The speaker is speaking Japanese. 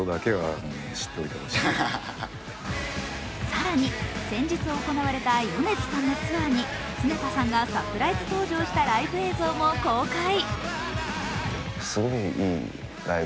更に先日行われた米津さんのツアーに常田さんがサプライズ登場したライブ映像も公開。